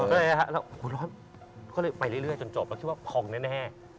ก็เลยร้อนไปเรื่อยจนจบแล้วว่าพองแน่